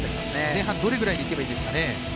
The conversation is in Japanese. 前半どのくらいでいけばいいですかね。